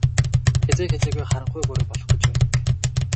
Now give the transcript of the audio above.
Хэзээ хэзээгүй харанхуй бүрий болох гэж байдаг.